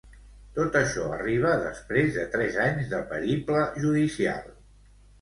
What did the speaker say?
Tot això arriba després de tres anys de periple judicial.